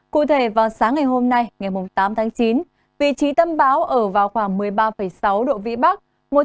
cụ thể vào sáng ngày hôm nay ngày tám tháng chín vị trí tâm bão ở vào khoảng một mươi ba sáu độ vĩ bắc